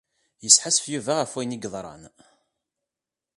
Yesḥassef Yuba ɣef wayen i yeḍran.